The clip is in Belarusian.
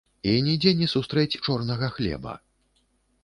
І нідзе не сустрэць чорнага хлеба.